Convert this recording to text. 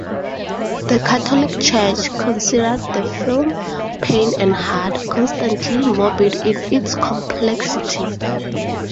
The Catholic Church considered the film "painful and hard, constantly morbid in its complexity".